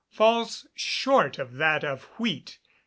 falls short of that of wheat.